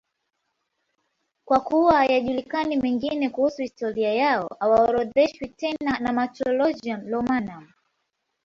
Kwa kuwa hayajulikani mengine kuhusu historia yao, hawaorodheshwi tena na Martyrologium Romanum.